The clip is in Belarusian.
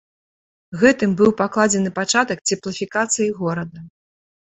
Гэтым быў пакладзены пачатак цеплафікацыі горада.